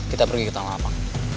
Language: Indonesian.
kita pergi ke tangga apa